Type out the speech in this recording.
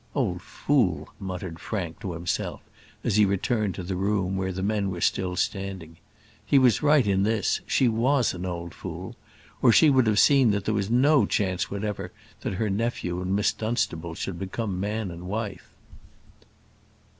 "Old fool!" muttered Frank to himself, as he returned to the room where the men were still standing. He was right in this: she was an old fool, or she would have seen that there was no chance whatever that her nephew and Miss Dunstable should become man and wife.